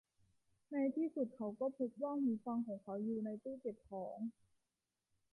ในที่สุดเขาก็พบว่าหูฟังของเขาอยู่ในตู้เก็บของ